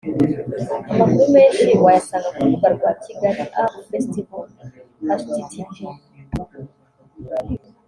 Amakuru menshi wayasanga ku rubuga rwa Kigali Up Festival http